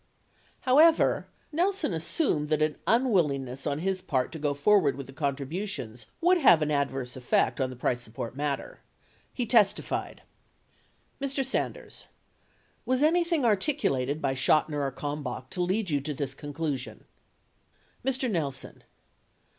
87 However, Nelson assumed that an unwillingness on his part to go forward with the contributions would have an adverse effect on the price support matter. He testified : Mr. Sanders. Was anything articulated by Chotiner or Kalmbach to lead you to this conclusion? Mr. Nelson.